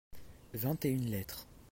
vingt et une lettres.